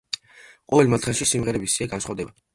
ყოველ მათგანში სიმღერების სია განსხვავდება.